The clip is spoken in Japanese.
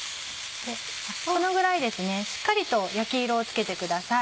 このぐらいですねしっかりと焼き色をつけてください。